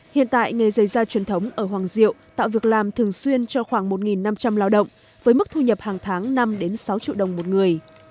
hiện tại nghề dây da truyền thống ở hoàng diệu tạo việc làm thường xuyên cho khoảng một năm trăm linh lao động với mức thu nhập hàng tháng năm sáu triệu đồng một người